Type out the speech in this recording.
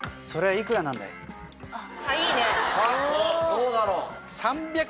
どうだろう？